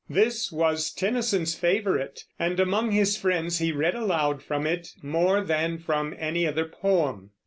This was Tennyson's favorite, and among his friends he read aloud from it more than from any other poem.